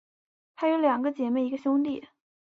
她有两个姐妹和一个兄弟。